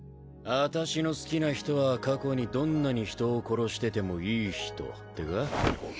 私の好きな人は過去にどんなに人を殺しててもいい人ってか？